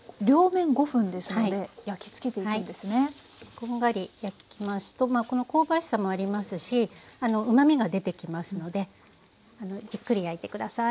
こんがり焼きますとこの香ばしさもありますしうまみが出てきますのでじっくり焼いて下さい。